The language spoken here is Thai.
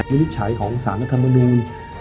มิจฉัยของศาลรัฐมนุน